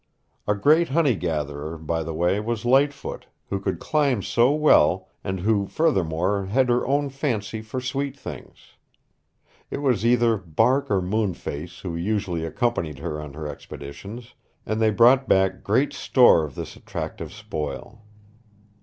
A great honey gatherer, by the way, was Lightfoot, who could climb so well, and who, furthermore, had her own fancy for sweet things. It was either Bark or Moonface who usually accompanied her on her expeditions, and they brought back great store of this attractive spoil.